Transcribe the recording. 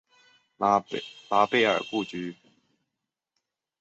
拉斐尔故居。